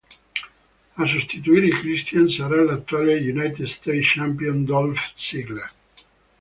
A sostituire Christian sarà l'attuale United States Champion Dolph Ziggler.